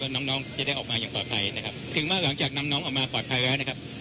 น้องน้องจะได้ออกมาอย่างปลอดภัยนะครับถึงว่าหลังจากนำน้องออกมาปลอดภัยแล้วนะครับ